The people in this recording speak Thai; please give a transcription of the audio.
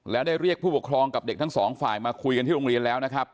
แล้วได้เรียกผู้ปกครองกับเด็กทั้งสองฝ่ายมาคุยกันที่โรงเรียนแล้วนะครับ